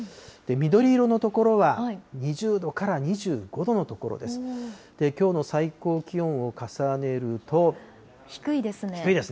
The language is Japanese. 緑色の所は２０度から２５度の所です。